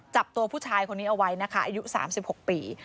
จับตัวผู้ชายคนนี้เอาไว้นะคะอายุ๓๖ปี